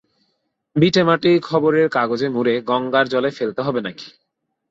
ভিটেমাটি খররের কাগজে মুড়ে গঙ্গার জলে ফেলতে হবে নাকি।